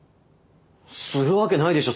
するわけないでしょ